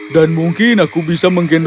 dan mungkin aku bisa menggendongnya